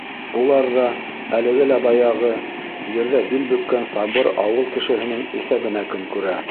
Улар ҙа, әлеге лә баяғы, ерҙә бил бөккән сабыр ауыл кешеһенең иҫәбенә көн күрә.